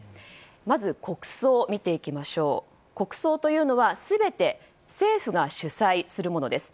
まず国葬を見ていきますと国葬は全て政府が主催するものです。